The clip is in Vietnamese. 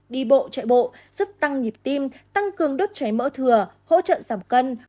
đi bộ chạy bộ giúp tăng nhịp tim tăng cường đốt cháy mỡ thừa hỗ trợ giảm cân